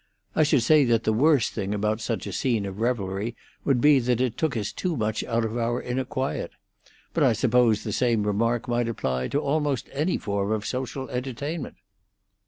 I should say that the worst thing about such a scene of revelry would be that it took us too much out of our inner quiet. But I suppose the same remark might apply to almost any form of social entertainment."